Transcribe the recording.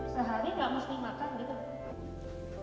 sehari nggak mesti makan gitu